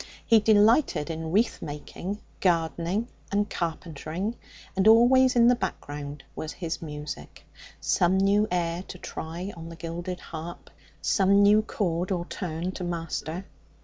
He delighted in wreath making, gardening, and carpentering, and always in the background was his music some new air to try on the gilded harp, some new chord or turn to master.